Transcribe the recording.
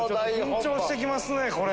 緊張して来ますねこれ。